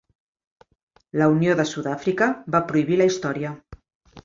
La Unió de Sud-àfrica va prohibir la història.